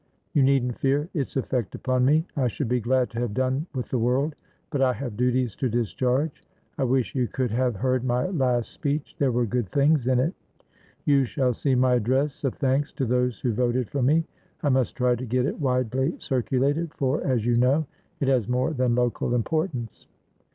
You needn't fear its effect upon me. I should be glad to have done with the world, but I have duties to discharge. I wish you could have heard my last speech, there were good things in it. You shall see my address of thanks to those who voted for me; I must try to get it widely circulated, for, as you know, it has more than local importance.